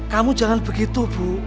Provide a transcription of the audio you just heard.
kamu jangan begitu bu